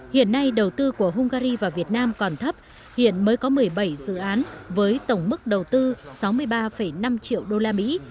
hiện nay đầu tư của hungary và việt nam còn thấp hiện mới có một mươi bảy dự án với tổng mức đầu tư sáu mươi ba năm triệu đô la mỹ